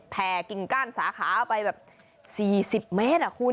กิ่งก้านสาขาไปแบบ๔๐เมตรคุณ